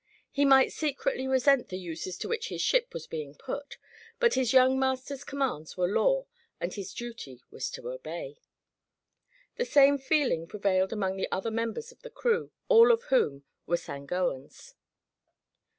He might secretly resent the uses to which his ship was being put, but his young master's commands were law and his duty was to obey. The same feeling prevailed among the other members of the crew, all of whom were Sangoans.